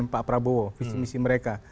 pak prabowo visi misi mereka